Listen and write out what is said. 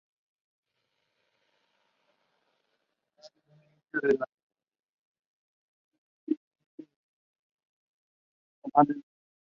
The Tunguska Plateau is named after the historical name of the Evenks.